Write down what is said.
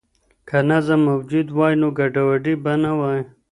که نظم موجود وای نو ګډوډي به نه وای.